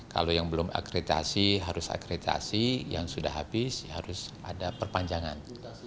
kalau yang belum akreditasi harus akreditasi yang sudah habis harus ada perpanjangan